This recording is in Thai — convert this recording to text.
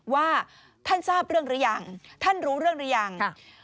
ว่าท่านทราบเรื่องหรือยังท่านรู้เรื่องหรือยัง